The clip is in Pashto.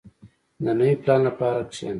• د نوي پلان لپاره کښېنه.